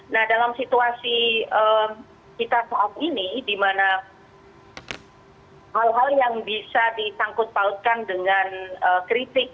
nah dalam situasi kita saat ini di mana hal hal yang bisa disangkut pautkan dengan kritik